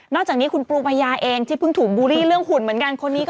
อกจากนี้คุณปูพญาเองที่เพิ่งถูกบูลลี่เรื่องหุ่นเหมือนกันคนนี้